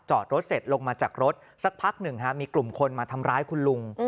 รถเสร็จลงมาจากรถสักพักหนึ่งมีกลุ่มคนมาทำร้ายคุณลุง